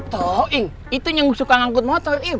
towing itu yang suka ngangkut motor im